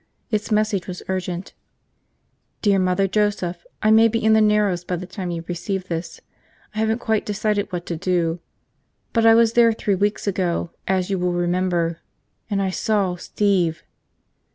Its message was urgent. "Dear Mother Joseph, I may be in the Narrows by the time you receive this. I haven't quite decided what to do. But I was there three weeks ago, as you will remember, and I saw Steve."